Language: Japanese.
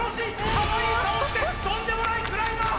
かわいい顔してとんでもないクライマー！